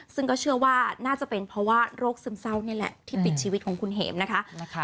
ซึ่งก็เชื่อว่าน่าจะเป็นเพราะว่าโรคซึมเศร้านี่แหละที่ปิดชีวิตของคุณเห็มนะคะ